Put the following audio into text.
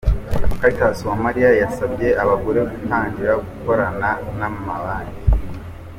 Cartas Uwamariya yasabye abagore gutangira gukorana n'amabanki.